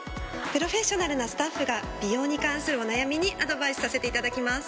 プロフェッショナルなスタッフが美容に関するお悩みにアドバイスさせていただきます。